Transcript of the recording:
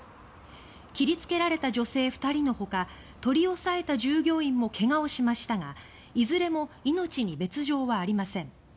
切りつけられた女性２人のほか取り押さえた従業員も怪我をしましたがいずれも命に別状はありません。